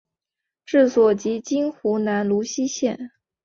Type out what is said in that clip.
治所即今湖南泸溪县。